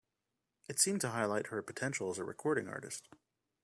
It seemed to highlight her potential as a recording artist.